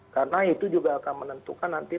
karena itu juga akan menentukan nanti